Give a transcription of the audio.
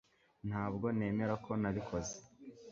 ntabwo nemera ko nabikoze